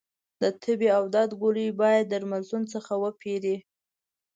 د تبې او درد ګولۍ باید درملتون څخه وپېری